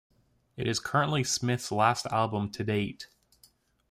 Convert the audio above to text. It is currently Smith's last album to date.